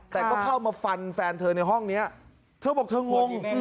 แต่ก็เข้ามาฟันแฟนเธอในห้องนี้เธอบอกเธองง